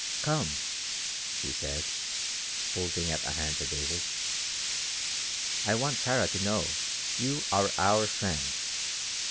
"Come," she said, holding out a hand to David. "I want Tara to know you are our friend.